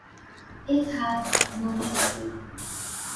It has no history.